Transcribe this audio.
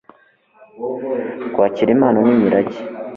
Kwakira impano n imirage